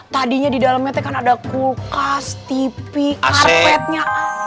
tadinya di dalamnya kan ada kulkas tipi karpetnya